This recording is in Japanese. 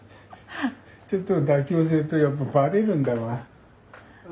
ちょっと妥協するとやっぱばれるんだわ。